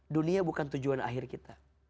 dunia bukan tujuan akhir kita